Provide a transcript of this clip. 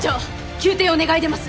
休廷を願い出ます！